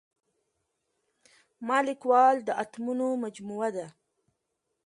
مالیکول د اتومونو مجموعه ده.